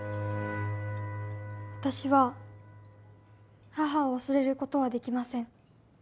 私は母を忘れることはできません。